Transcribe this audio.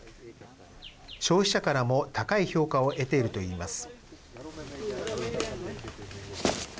消費者からも高い評価を得ていると言います。